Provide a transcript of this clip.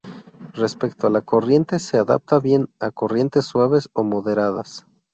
Respecto a la corriente, se adapta bien a corrientes suaves o moderadas.